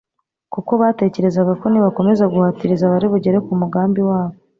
kuko batekerezaga ko nibakomeza guhatiriza bari bugere ku mugambi wabo.